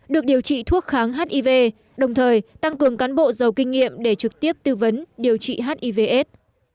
được điều trị thuốc kháng hiv đồng thời tăng cường cán bộ giàu kinh nghiệm để trực tiếp tư vấn điều trị hivs